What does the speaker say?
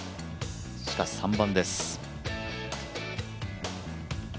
しかし３番です。